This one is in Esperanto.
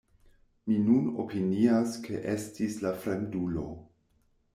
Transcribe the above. Mi nun opinias ke estis la fremdulo.